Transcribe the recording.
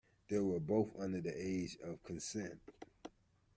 They were both under the age of consent.